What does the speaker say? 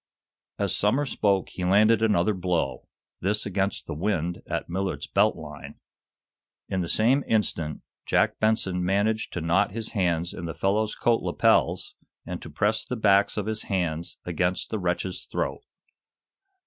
As Somers spoke he landed another blow, this against the "wind" at Millard's belt line. In the same instant Jack Benson managed to knot his hands in the fellow's coat lapels, and to press the backs of his hands against the wretch's throat.